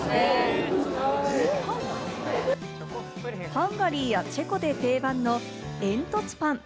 ハンガリーやチェコで定番の煙突パン。